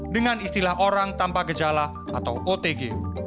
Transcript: dengan istilah orang tanpa gejala atau otg